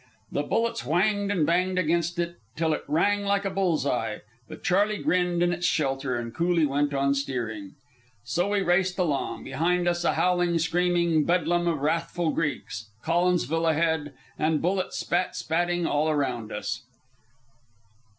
The bullets whanged and banged against it till it rang like a bull's eye, but Charley grinned in its shelter, and coolly went on steering. So we raced along, behind us a howling, screaming bedlam of wrathful Greeks, Collinsville ahead, and bullets spat spatting all around us.